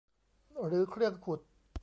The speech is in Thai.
หรือเครื่องขุด